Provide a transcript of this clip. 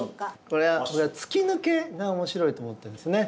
これ「つきぬけ」が面白いと思ってるんですね。